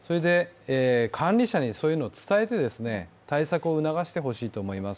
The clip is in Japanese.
管理者にそういうのを伝えて対策を促してほしいと思います。